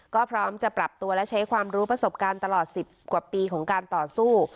ก็พร้อมจะปรับตัวและใช้ความรู้ประสบการณ์ตลอด๑๐กว่าปีของการต่อสู้